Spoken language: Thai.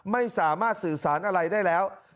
ไม่สามารถสื่อสารอะไรได้แล้ว